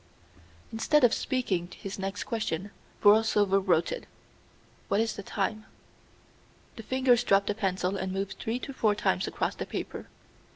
Instead of speaking his next question, Borlsover wrote it. "What is the time?" The fingers dropped the pencil and moved three or four times across the paper.